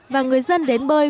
và người dân đến bơi